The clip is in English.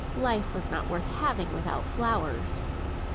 Life was not worth having without flowers.